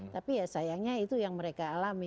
tapi ya sayangnya itu yang mereka alami